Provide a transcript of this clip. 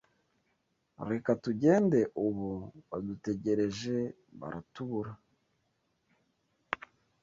Reka tugende ubu badutegereje baratubura